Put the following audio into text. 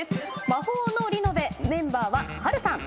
『魔法のリノベ』メンバーは波瑠さん。